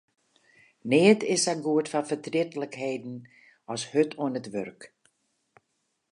Neat is sa goed foar fertrietlikheden as hurd oan it wurk.